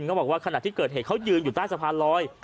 บอกว่าขณะที่เกิดเหตุเขายืนอยู่ใต้สะพานลอย